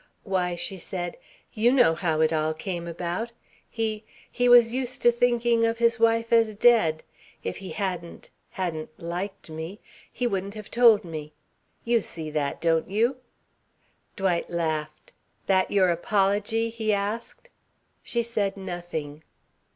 Why," she said, "you know how it all came about. He he was used to thinking of his wife as dead. If he hadn't hadn't liked me, he wouldn't have told me. You see that, don't you?" Dwight laughed. "That your apology?" he asked. She said nothing.